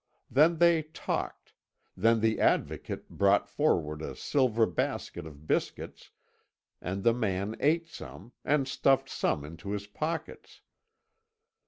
Then they talked then the Advocate brought forward a silver basket of biscuits, and the man ate some, and stuffed some into his pockets.